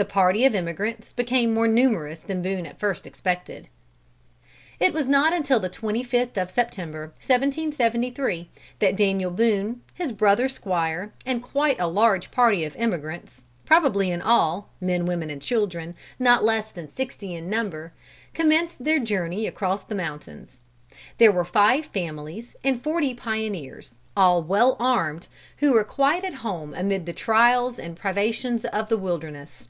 The party of emigrants became more numerous than Boone at first expected. It was not until the twenty fifth of September, 1773, that Daniel Boone, his brother Squire, and quite a large party of emigrants, probably in all men, women and children not less than sixty in number, commenced their journey across the mountains. There were five families and forty pioneers, all well armed, who were quite at home amid the trials and privations of the wilderness.